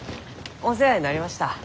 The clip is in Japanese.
お世話になりました。